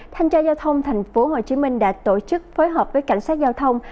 thanh tra giao thông tp hcm đã tổ chức phối hợp với cảnh sát giao thông